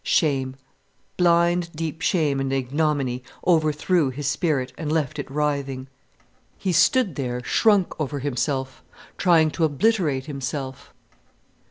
Shame, blind, deep shame and ignominy overthrew his spirit and left it writhing. He stood there shrunk over himself, trying to obliterate himself.